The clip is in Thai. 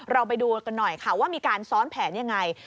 เราไปดูกันหน่อยค่ะว่ามีการซ้อนแผนยังไง